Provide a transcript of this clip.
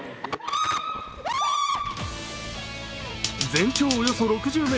全長およそ６０ｍ。